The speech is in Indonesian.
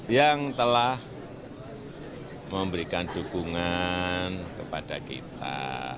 yang telah memberikan dukungan kepada kita